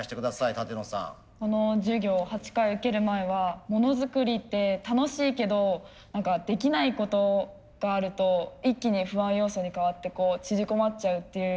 この授業８回受ける前はモノづくりって楽しいけど何かできないことがあると一気に不安要素に変わってこう縮こまっちゃうていう。